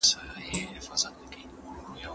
د دلارام په ښوونځیو کي ډېر کشران زده کړي کوي